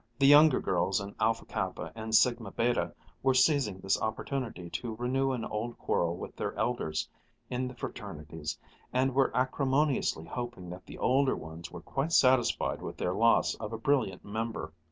The younger girls in Alpha Kappa and Sigma Beta were seizing this opportunity to renew an old quarrel with their elders in the fraternities and were acrimoniously hoping that the older ones were quite satisfied with their loss of a brilliant member.